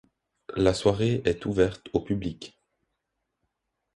La soirée est ouverte au public.